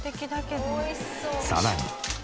さらに。